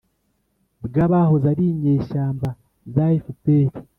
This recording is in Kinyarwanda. bw'abahoze ari inyeshyamba za fpr,